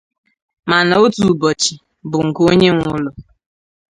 mana otu ụbọchị bụ nke onye nwe ụlọ